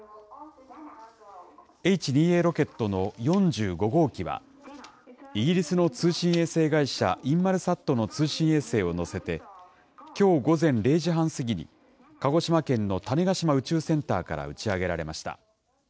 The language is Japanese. Ｈ２Ａロケットの４５号機は、イギリスの通信衛星会社、インマルサットの通信衛星を載せて、きょう午前０時半過ぎに、鹿児島県の種子島宇宙センターから打ち上げられました。